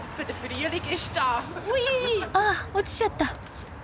あっ落ちちゃった！？